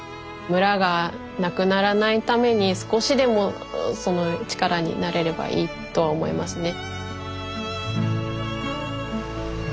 村がなくならないために少しでもその力になれればいいと思いますね。